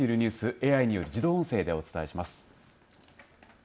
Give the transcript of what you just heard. ＡＩによる自動音声でお伝えします。